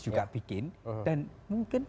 juga bikin dan mungkin